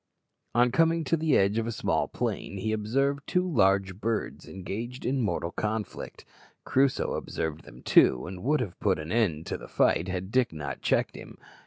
On coming to the edge of a small plain he observed two large birds engaged in mortal conflict. Crusoe observed them too, and would soon have put an end to the fight had Dick not checked him.